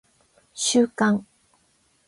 収監